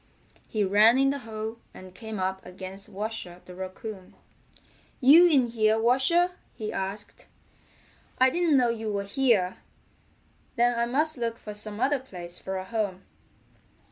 He ran in the hole, and came up against Washer the Raccoon. "You in here, Washer?" he asked. "I didn't know you were here. Then I must look for some other place for a home."